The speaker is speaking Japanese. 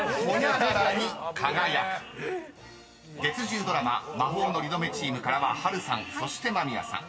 ［月１０ドラマ魔法のリノベチームからは波瑠さんそして間宮さん］